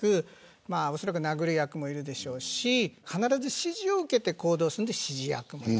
おそらく殴る役もいるでしょうし必ず指示を受けて行動するので指示役もいると。